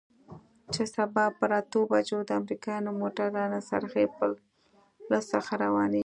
چې سبا پر اتو بجو د امريکايانو موټران له څرخي پله څخه روانېږي.